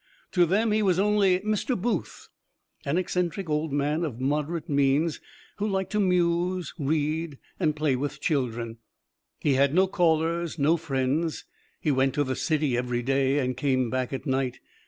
To them he was only Mr. Booth, an eccentric old man of moderate means, who liked to muse, read, and play with children. He had no callers, no friends; he went to the city every day and came back at night.